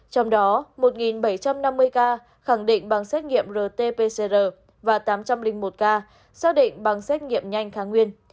trong đó một bảy trăm năm mươi ca khẳng định bằng xét nghiệm rt pcr và tám trăm linh một ca xác định bằng xét nghiệm nhanh kháng nguyên